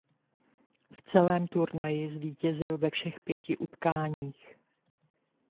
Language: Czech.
V celém turnaji zvítězil ve všech pěti utkáních.